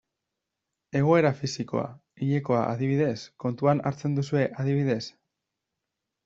Egoera fisikoa, hilekoa, adibidez, kontuan hartzen duzue adibidez?